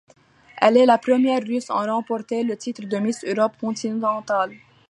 Elle est la première russe à remporter le titre de Miss Europe Continental.